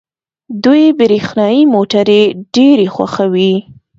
دوی برښنايي موټرې ډېرې خوښوي.